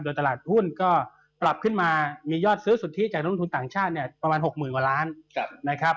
โดยตลาดหุ้นก็ปรับขึ้นมามียอดซื้อสุทธิจากนักลงทุนต่างชาติเนี่ยประมาณ๖๐๐๐กว่าล้านนะครับ